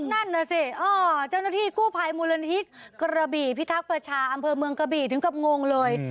นั่นน่ะสิเจ้าหน้าที่กู้ภัยมูลนิธิกระบี่พิทักษ์ประชาอำเภอเมืองกระบี่ถึงกับงงเลย